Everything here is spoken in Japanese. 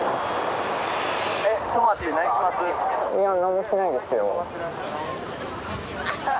いや何もしないですよ。